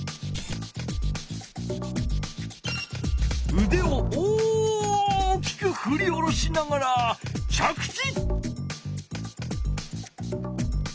うでを大きくふり下ろしながら着地！